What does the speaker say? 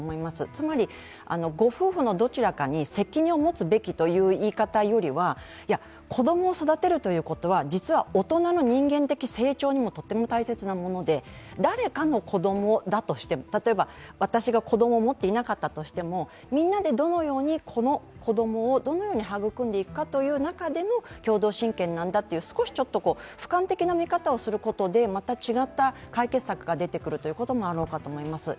つまり、ご夫婦のどちらかに責任を持つべきという言い方よりはいや、子供を育てるということは、実は大人の人間的成長にもとても大切なもので、誰かの子供だとしても、例えば私が子供を持っていなかったとしても、みんなでどのように、この子供をどのように育んでいく中でも共同親権なんだという、少しふかん的な見方をすることでまた違った解決策が出てくるということもあろうかと思います。